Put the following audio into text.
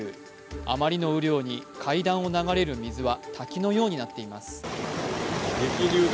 あまりの雨量に階段を流れる水は滝のようになっています。